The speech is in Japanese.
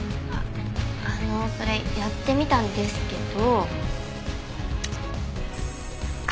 あのそれやってみたんですけど。